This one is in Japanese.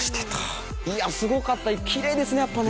いやすごかったキレイですねやっぱね！